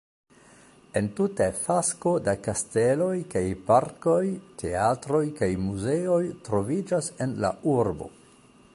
Entute fasko da kasteloj kaj parkoj, teatroj kaj muzeoj troviĝas en la urbo.